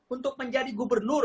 untuk menjadi gubernur